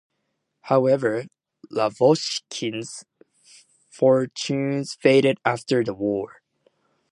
However, Lavochkin's fortunes faded after the war.